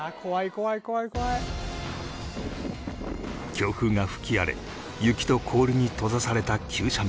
強風が吹き荒れ雪と氷に閉ざされた急斜面